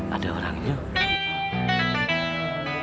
ada orang yuk